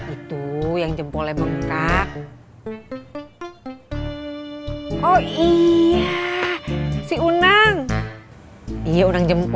itu yang jempolnya menggek